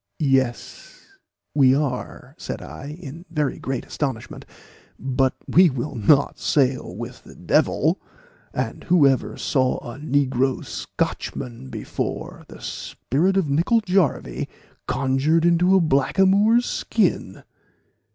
"Yes, we are," said I, in very great astonishment, "but we will not sail with the devil; and who ever saw a negro Scotchman before, the spirit of Nicol Jarvie conjured into a blackamoor's skin!"